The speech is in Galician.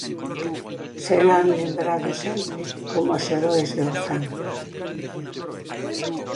Serán lembrados sempre coma os heroes do Orzán.